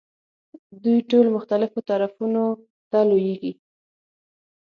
دوی ټول مختلفو طرفونو ته لویېږي.